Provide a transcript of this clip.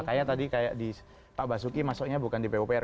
kayak tadi kayak di pak basuki masuknya bukan di pupr